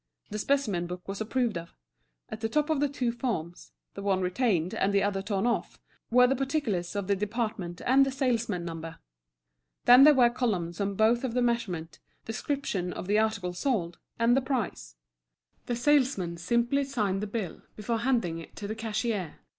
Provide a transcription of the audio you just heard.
The specimen book was approved of; at the top of the two forms—the one retained, and the one torn off—were the particulars of the department and the salesman's number; then there were columns on both for the measurement, description of the articles sold, and the price; the salesman simply signed the bill before handing it to the cashier.